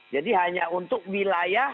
jadi hanya untuk wilayah